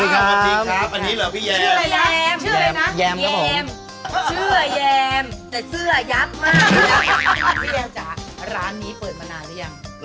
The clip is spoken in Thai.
หิวมากแล้วเนี่ยละคืนนี้ไหนอะพี่ใกล้สวัสดีค่ะพี่แยม